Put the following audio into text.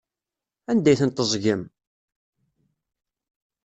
Anda ay tent-teẓẓgem?